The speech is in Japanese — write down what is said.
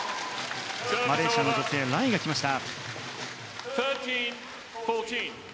マレーシアの女性ライが来ました。